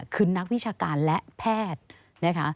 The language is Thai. คือนักวิชาการและแพทย์นะคะ